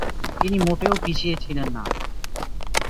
তিনি মোটেও পিছিয়ে ছিলেন না।